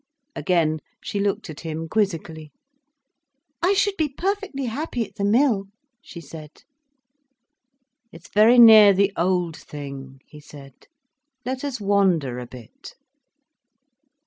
Again she looked at him quizzically. "I should be perfectly happy at the Mill," she said. "It's very near the old thing," he said. "Let us wander a bit."